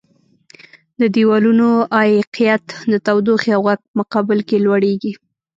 د دیوالونو عایقیت د تودوخې او غږ په مقابل کې لوړیږي.